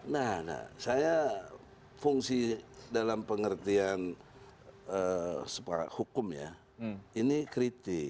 nah saya fungsi dalam pengertian hukum ya ini kritik